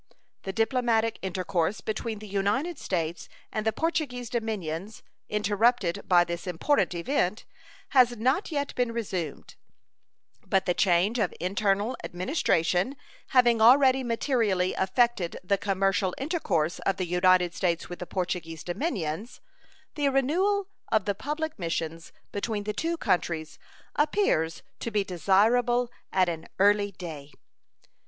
The diplomatic intercourse between the United States and the Portuguese dominions, interrupted by this important event, has not yet been resumed, but the change of internal administration having already materially affected the commercial intercourse of the United States with the Portuguese dominions, the renewal of the public missions between the two countries appears to be desirable at an early day.